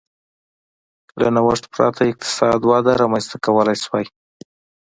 له نوښت پرته اقتصادي وده رامنځته کولای شوای.